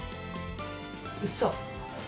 うそ！